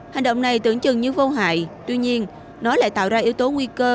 hành động này tưởng chừng như vô hại tuy nhiên nó lại tạo ra yếu tố nguy cơ